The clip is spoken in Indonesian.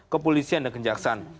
kepolisian dan kenjaksaan